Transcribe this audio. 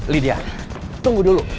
lydia tunggu dulu